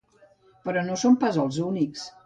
Però no són pas els únics.